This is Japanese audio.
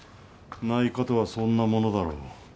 内科とはそんなものだろう。